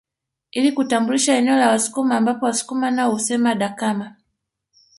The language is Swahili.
Ili kutambulisha eneo la Wasukuma ambapo Wasukuma nao husema Dakama